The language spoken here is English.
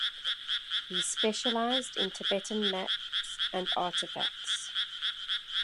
He specialised in Tibetan maps and artefacts.